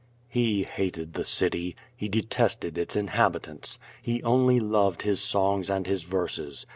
He hated the city. He detested its inhabitants. He only loved his songs and his verses.